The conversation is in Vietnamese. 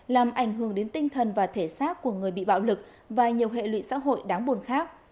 làm ảnh hưởng đến tinh thần và thể xác của người bị bạo lực và nhiều hệ lụy xã hội đáng buồn khác